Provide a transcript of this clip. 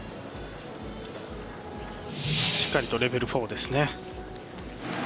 しっかりとレベル４ですね。